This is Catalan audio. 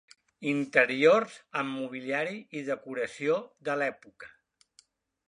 Interiors amb mobiliari i decoració de l'època.